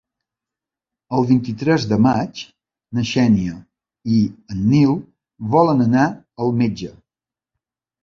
El vint-i-tres de maig na Xènia i en Nil volen anar al metge.